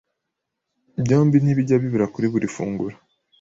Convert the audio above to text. byombi ntibijya bibura kuri buri funguro